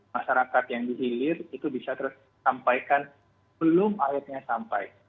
masyarakat yang dihilir itu bisa tersampaikan belum airnya sampai